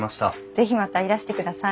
是非またいらしてください。